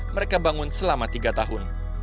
mereka bangun selama tiga tahun